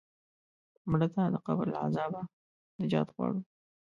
مړه ته د قبر له عذابه نجات غواړو